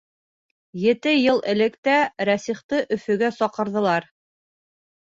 Ете йыл элек тә Рәсихты Өфөгә саҡырҙылар.